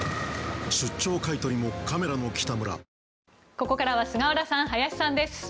ここからは菅原さん、林さんです。